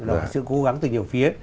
đó là sự cố gắng từ nhiều phía